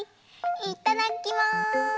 いただきます！